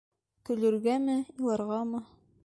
Көлөргәме, иларғамы?